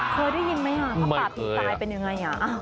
เคยได้ยินมั้ยอ่ะผ้าป่าผีตายเป็นยังไงอ่ะ